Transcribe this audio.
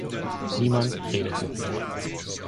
Niemand redet mit mir.